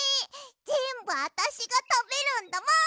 ぜんぶあたしがたべるんだもん！